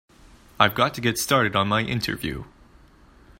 I've got to get started on my interview.